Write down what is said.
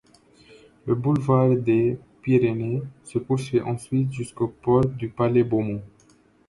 Le boulevard des Pyrénées se poursuit ensuite jusqu'aux portes du palais Beaumont.